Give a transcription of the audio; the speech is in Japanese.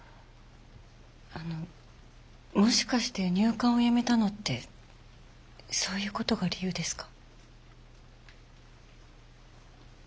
あのもしかして入管を辞めたのってそういうことが理由ですか？